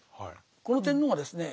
この天皇がですね